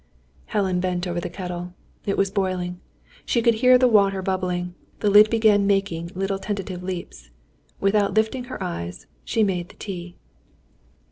Helen bent over the kettle. It was boiling. She could hear the water bubbling; the lid began making little tentative leaps. Without lifting her eyes, she made the tea.